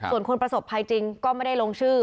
ส่วนคนประสบภัยจริงก็ไม่ได้ลงชื่อ